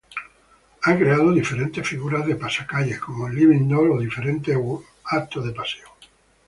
Ha creado diferentes figuras de pasacalle, como "living-dolls" o diferentes "walk-acts".